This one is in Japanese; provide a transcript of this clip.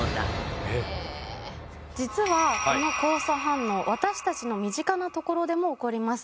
実はこの交差反応私たちの身近なところでも起こります。